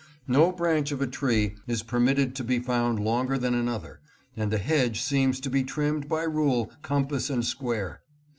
No branch of a tree is permitted to be found longer than another, and the hedge seems to be trimmed by rule, compass, and square.